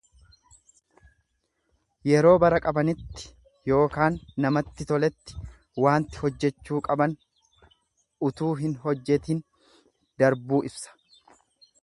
Yeroo bara qabanitti ykn namatti toletti waanti hojjechuu qaban utuu hin hojjetin darbuu ibsa.